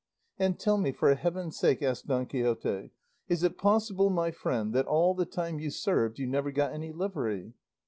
"And tell me, for heaven's sake," asked Don Quixote, "is it possible, my friend, that all the time you served you never got any livery?"